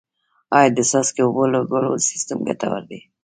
آیا د څاڅکي اوبو لګولو سیستم ګټور دی؟